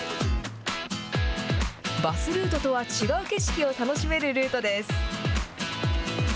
バスルートとは違う景色を楽しめるルートです。